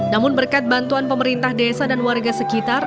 namun berkat bantuan pemerintah desa dan warga sekitar